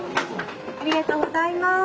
ありがとうございます。